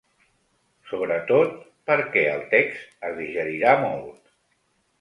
Sobretot, perquè el text es digerirà molt.